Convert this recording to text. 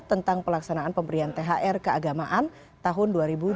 tentang pelaksanaan pemberian thr keagamaan tahun dua ribu dua puluh